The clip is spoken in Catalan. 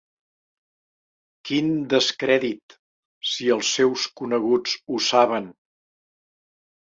Quin descrèdit, si els seus coneguts ho saben!